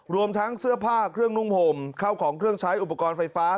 รวมทั้งเสื้อผ้าเครื่องนุ่งห่มเข้าของเครื่องใช้อุปกรณ์ไฟฟ้า